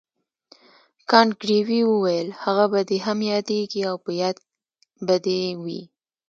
کانت ګریفي وویل هغه به دې هم یادیږي او په یاد به دې وي.